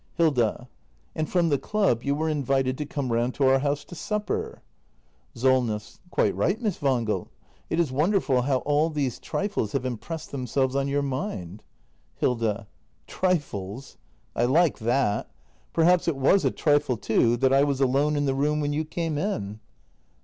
Hilda. And from the Club you were invited to come round to our house to supper. SOLNESS. Quite right, Miss Wangel. It is wonderful how all these trifles have impressed themselves on your mind. Hilda. Trifles! I like that! Perhaps it was a trifle, too, that I was alone in the room when you came in